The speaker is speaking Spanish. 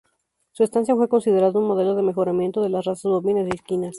Su estancia fue considerada un modelo de mejoramiento de las razas bovinas y equinas.